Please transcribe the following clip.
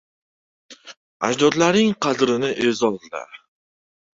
— Ajdodlaring qadrini e’zozla.